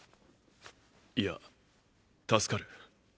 いや助かる。